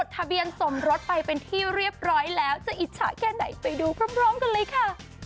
ทะเบียนสมรสไปเป็นที่เรียบร้อยแล้วจะอิจฉาแค่ไหนไปดูพร้อมกันเลยค่ะ